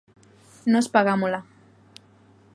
Nós pagámola.